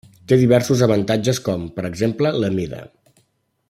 Té diversos avantatges com, per exemple, la mida.